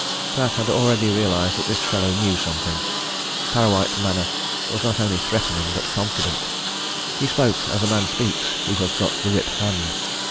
Pratt had already realized that this fellow knew something. Parrawhite's manner was not only threatening but confident. He spoke as a man speaks who has got the whip hand.